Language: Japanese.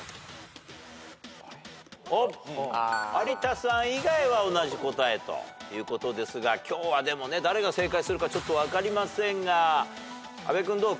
有田さん以外は同じ答えということですが今日はでもね誰が正解するかちょっと分かりませんが阿部君どう？